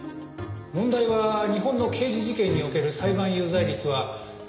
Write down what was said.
問題は日本の刑事事件における裁判有罪率は９９．９パーセント。